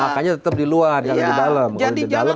makanya tetap di luar bukan di dalam